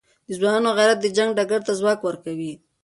د ځوانانو غیرت د جنګ ډګر ته ځواک ورکوي.